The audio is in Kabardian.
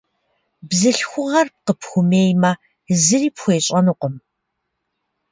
Бзылъхугъэр къыпхуэмеймэ, зыри пхуещӏэнукъым.